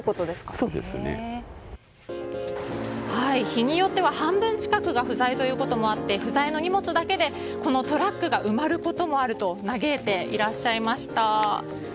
日によっては半分近くが不在ということもあって不在の荷物だけでこのトラックが埋まることもあると嘆いていらっしゃいました。